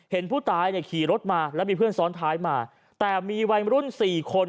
เห็นผู้ตายเนี่ยขี่รถมาแล้วมีเพื่อนซ้อนท้ายมาแต่มีวัยรุ่นสี่คน